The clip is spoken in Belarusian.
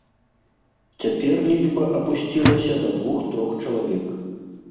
Цяпер лічба апусцілася да двух-трох чалавек.